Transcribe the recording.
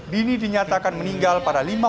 dini dinyatakan meninggal pada lima bulan